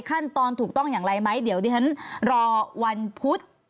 ขั้นตอนถูกต้องอย่างไรไหมเดี๋ยวดิฉันรอวันพุธ